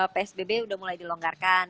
psbb udah mulai dilonggarkan